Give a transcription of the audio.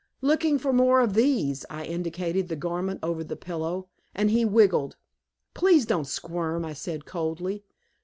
"Looking for more of these." I indicated the garment over the pillow, and he wiggled. "Please don't squirm," I said coldly.